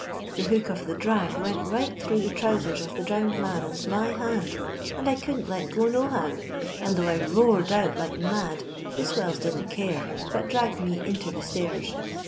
The hook of the drag went right thro' the trowsera of the drowned man and my hand, and I couldn't let go no how, and tho' I roared out like mad, the swells didn't care, but dragged me into the stairs.